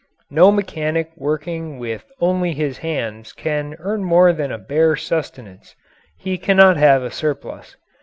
No mechanic working with only his hands can earn more than a bare sustenance. He cannot have a surplus.